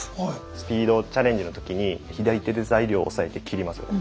スピードチャレンジの時に左手で材料を押さえて切りますよね。